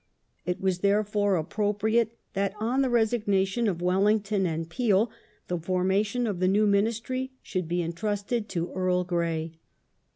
It was, therefore, appropriate that ^^j^^ 1. on the resignation of WelHngton and Peel the formation of the new Ministry should be entrusted to Earl Grey.